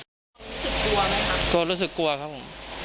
รู้สึกกลัวไหมครับกลัวรู้สึกกลัวครับผม